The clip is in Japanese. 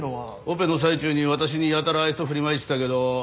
オペの最中に私にやたら愛想振りまいてたけど。